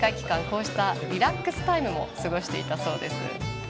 こうしたリラックスタイムも過ごしていたそうです。